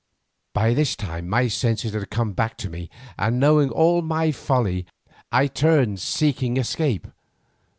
_" By this time my senses had come back to me, and knowing all my folly, I turned seeking escape.